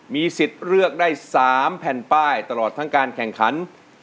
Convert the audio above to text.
มีสิทธิ์เลือกได้๓แผ่นป้ายตลอดทั้งการแข่งขัน